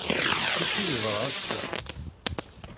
Kulci yeḍra ass-a.